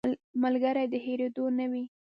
ملګری د هېرېدو نه وي